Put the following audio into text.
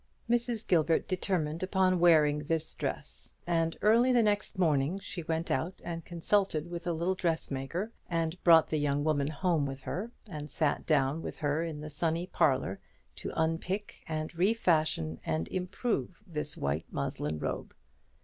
Mrs. Gilbert determined upon wearing this dress; and early the next morning she went out and consulted with a little dressmaker, and brought the young woman home with her, and sat down with her in the sunny parlour to unpick and refashion and improve this white muslin robe.